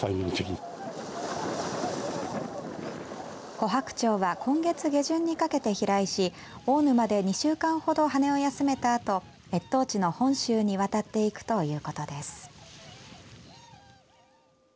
コハクチョウは今月下旬にかけて飛来し大沼で２週間ほど羽を休めたあと越冬地の本州に渡っていくということです。